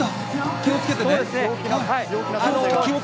気をつけてね。